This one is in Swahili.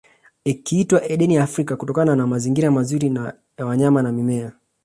Ikiitwa Edeni ya Afrika kutokana na mazingira mazuri ya wanyama na mimea